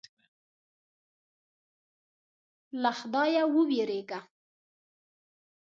له خدایه وېرېږه.